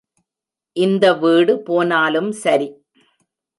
இந்த வீடு போனலும் சரி!